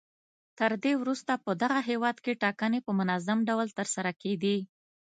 تر دې وروسته په دغه هېواد کې ټاکنې په منظم ډول ترسره کېدې.